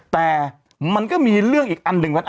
แต่มันก็มีเรื่องอีกอันหนึ่ง